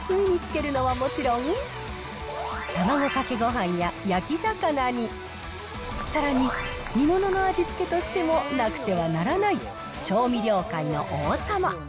お刺身につけるのはもちろん、卵かけごはんや焼き魚に、さらに煮物の味付けとしてもなくてはならない調味料界の王様。